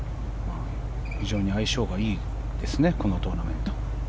非常に相性がいいですねこのトーナメント。